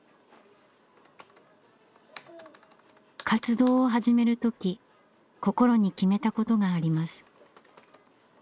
活動を始める時心に決めたことがあります。